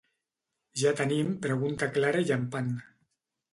Ja tenim pregunta clara i llampant.